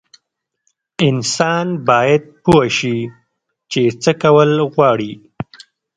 انسان باید پوه شي چې څه کول غواړي.